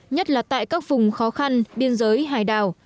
nhất là tại các vùng khó khăn biên giới hải đảo